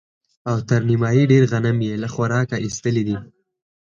او تر نيمايي ډېر غنم يې له خوراکه ايستلي دي.